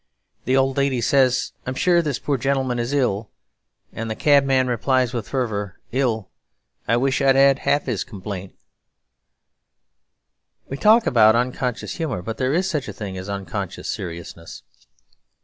The old lady says, 'I'm sure this poor gentleman is ill,' and the cabman replies with fervour, 'Ill! I wish I 'ad 'alf 'is complaint.' We talk about unconscious humour; but there is such a thing as unconscious seriousness.